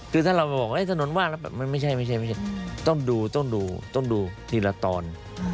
คือถ้าเรามาบอกว่าสะหนนนว่างเป็นแบบไม่ใช่ต้องดูต้องดูต้องดูทีละตอน